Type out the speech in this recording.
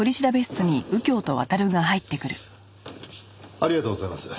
ありがとうございます。